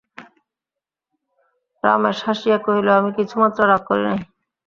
রমেশ হাসিয়া কহিল, আমি কিছুমাত্র রাগ করি নাই।